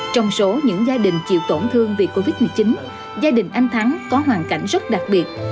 trong số những gia đình chịu tổn thương vì covid một mươi chín gia đình anh thắng có hoàn cảnh rất đặc biệt